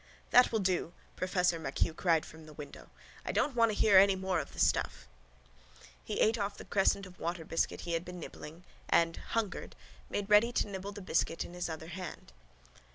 —That will do, professor MacHugh cried from the window. I don't want to hear any more of the stuff. He ate off the crescent of water biscuit he had been nibbling and, hungered, made ready to nibble the biscuit in his other hand.